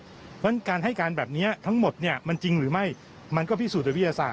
เพราะฉะนั้นการให้การแบบนี้ทั้งหมดเนี่ยมันจริงหรือไม่มันก็พิสูจนวิทยาศาส